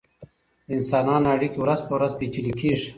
د انسانانو اړیکې ورځ په ورځ پیچلې کیږي.